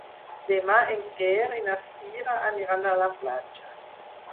Demà en Quer i na Cira aniran a la platja.